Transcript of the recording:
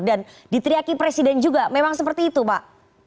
dan ditriaki presiden juga memang seperti itu pak